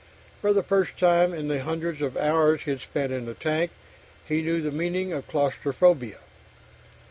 For the first time in the hundreds of hours he'd spent in the tank, he knew the meaning of claustrophobia.